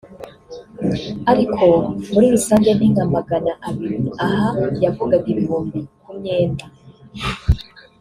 ariko muri rusange ni nka magana abiri [Aha yavugaga ibihumbi] ku myenda